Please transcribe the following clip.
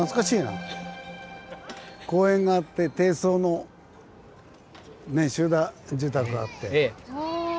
公園があって低層のね集団住宅があって。